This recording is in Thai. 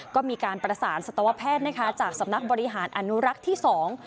ก็มีการประสานสัตวแพทย์นะคะจากสำนักบริหารอนุรักษ์ที่สอง